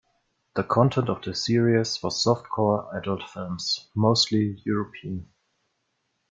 The content of the series was softcore adult films, mostly European.